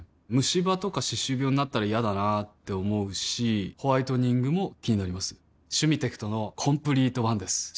ムシ歯とか歯周病になったら嫌だなって思うしホワイトニングも気になります「シュミテクトのコンプリートワン」です